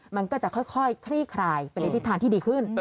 มันก็จะค่อยคลี่คลายไปในทิศทางที่ดีขึ้น